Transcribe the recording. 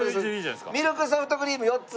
ミルクソフトクリーム４つ。